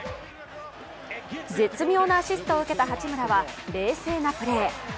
絶妙なアシストを受けた八村は冷静なプレー。